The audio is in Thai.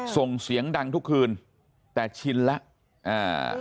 ส่งเสียงดังทุกคืนแต่ชินแล้วอ่า